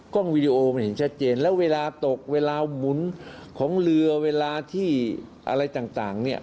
วีดีโอมันเห็นชัดเจนแล้วเวลาตกเวลาหมุนของเรือเวลาที่อะไรต่างเนี่ย